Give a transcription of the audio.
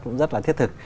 cũng rất là thiết thực